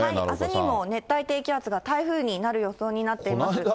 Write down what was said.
あすにも熱帯低気圧が台風になる予想になっています。